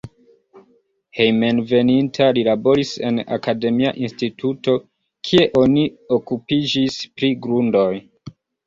Hejmenveninta li laboris en akademia instituto, kie oni okupiĝis pri grundoj.